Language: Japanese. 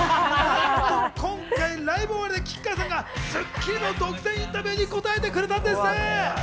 今回、ライブ終わりで吉川さんが『スッキリ』の独占インタビューに答えてくれたんです。